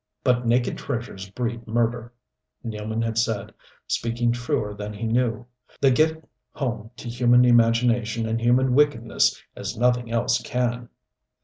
"But naked treasures breed murder!" Nealman had said speaking truer than he knew.... "They get home to human imagination and human wickedness as nothing else can."